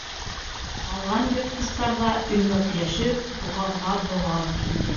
Ҡалған йыртҡыстар ҙа өймәкләшеп боғаҙға боғаҙ килде.